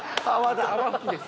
泡吹きです。